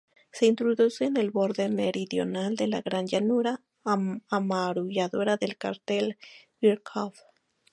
Se introduce en el borde meridional de la gran llanura amurallada del cráter Birkhoff.